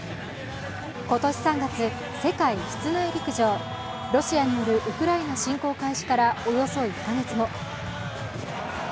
今年３月、世界室内陸上ロシアによるウクライナ侵攻開始からおよそ１カ月後。